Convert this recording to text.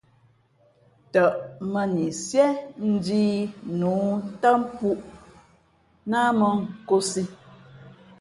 Tαʼ mᾱni síé njīī nǔ ntám pūʼ náh mᾱ nkōsī.